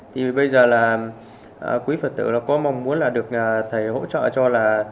thì bây giờ là quý phật tử là có mong muốn là được thầy hỗ trợ cho là